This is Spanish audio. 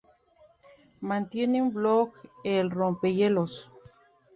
Mantiene un blog, "El rompehielos".